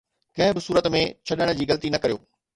ڪنهن به صورت ۾ ڇڏڻ جي غلطي نه ڪريو